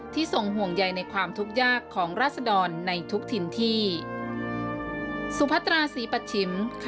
ที่ทรงห่วงใยในความทุกข์ยากของราศดรในทุกถิ่นที่